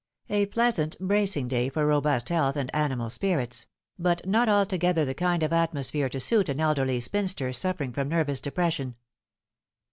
A pleasant bracing day for robust health and animal spirits ; but not altogether the kind of atmo sphere to suit an elderly spinster suffering from nervous depression.